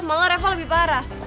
malah reva lebih parah